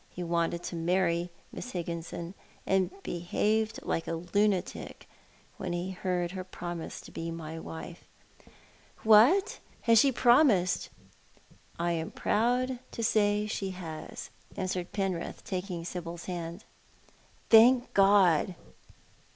He wanted to marry Miss Higginson, and behaved like a lunatic when he heard lier promise to be my wife." " What ? Has she promised ?" "I am proud to say she has," answered Penrith, taking Sibyl's hand. Lady PcnritJis Idea. 195 " Thank God